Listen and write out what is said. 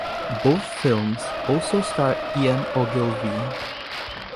Both films also starred Ian Ogilvy.